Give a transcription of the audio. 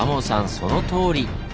そのとおり！